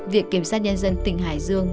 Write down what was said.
việc kiểm soát nhân dân tỉnh hải dương